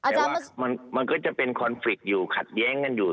แต่ว่ามันก็จะเป็นคอนฟริกต์อยู่ขัดแย้งกันอยู่